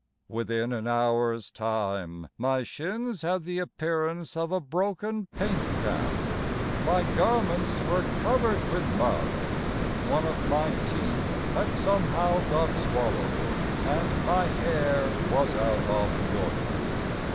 Within an hour's time My shins had the appearance of a broken paint can, My garments were covered with mud, One of my teeth had somehow got swallowed, And my hair was out of joint.